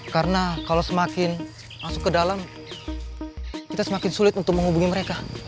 karena kalau semakin masuk ke dalam kita semakin sulit untuk menghubungi mereka